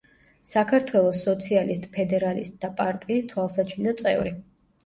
საქართველოს სოციალისტ-ფედერალისტთა პარტიის თვალსაჩინო წევრი.